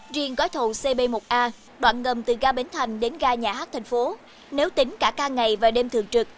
riêng gói thầu cb một a đoạn ngầm từ ga bến thành đến ga nhà hát tp nếu tính cả ca ngày và đêm thường trực